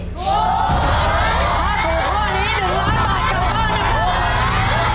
ถ้าถูกพอนี้หนึ่งล้านบาทกลับบ้านนะครับ